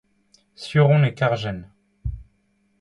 sur on e karjen.